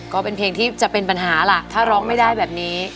ก็เป็นเพลงที่จะเป็นปัญหาล่ะถ้าร้องไม่ได้แบบนี้